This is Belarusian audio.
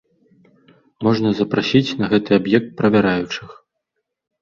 Можна запрасіць на гэты аб'ект правяраючых.